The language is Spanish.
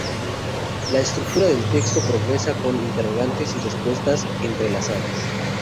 La estructura del texto progresa con interrogantes y respuestas entrelazadas.